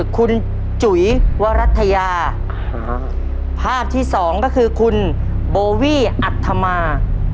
คุณจุ๋ยวรัฐยาภาพที่สองก็คือคุณโบวี่อัธมา